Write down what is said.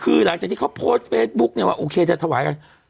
คือหลังจากที่เขาโพสต์เฟซบุ๊กเนี่ยว่าโอเคจะถวายกัน